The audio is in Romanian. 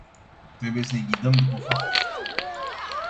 Trebuie să ne ghidăm după fapte.